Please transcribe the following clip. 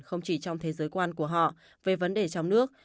không chỉ trong thế giới quan của họ về vấn đề trong nước